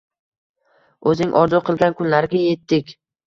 O’zing orzu qilgan kunlarga yetdik.